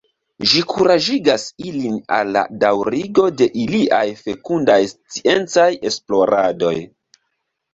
Ĝi kuraĝigas ilin al la daŭrigo de iliaj fekundaj sciencaj esploradoj.